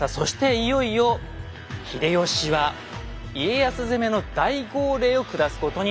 いよいよ秀吉は家康攻めの大号令を下すことになるんです。